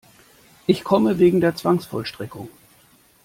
Ich komme wegen der Zwangsvollstreckung.